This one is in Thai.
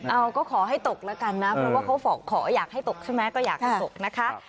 เอาก็ขอให้ตกแล้วกันนะเพราะว่าเขาขออยากให้ตกใช่ไหมก็อยากให้ตกนะคะ